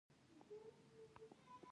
ټولو خلقو په هغه پورې وخاندل